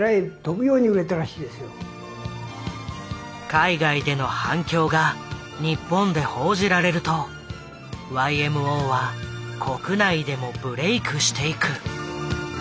海外での反響が日本で報じられるとＹＭＯは国内でもブレークしていく。